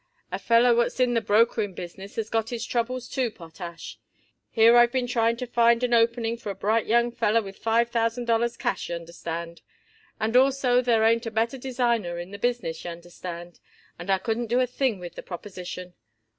"A feller what's in the brokering business has got his troubles, too, Potash. Here I've been trying to find an opening for a bright young feller with five thousand dollars cash, y'understand, and also there ain't a better designer in the business, y'understand, and I couldn't do a thing with the proposition.